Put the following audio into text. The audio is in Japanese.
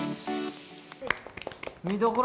見どころ